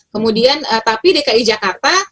kemudian tapi dki jakarta